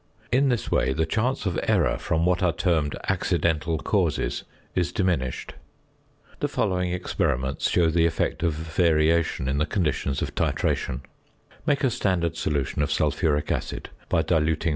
In this way the chance of error from what are termed "accidental causes" is diminished. The following experiments show the effect of variation in the conditions of titration: Make a standard solution of sulphuric acid by diluting 43.